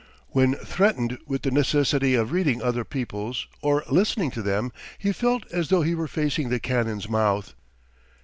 When threatened with the necessity of reading other people's, or listening to them, he felt as though he were facing the cannon's mouth.